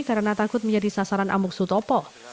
karena takut menjadi sasaran amuk sutopo